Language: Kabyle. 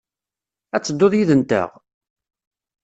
Ad tedduḍ yid-nteɣ?